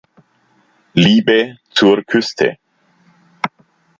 Liebe zur Küste!